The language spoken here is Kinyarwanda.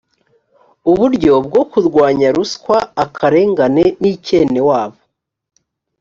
uburyo bwo kurwanya ruswa akarengane n ikenewabo